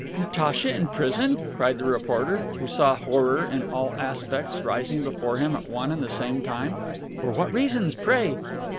"Natacha in prison!" cried the reporter, who saw in horror all obstacles rising before him at one and the same time. "For what reasons, pray?"